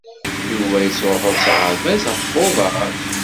Yuba yettruḥu s aɣerbaz ɣef uḍar.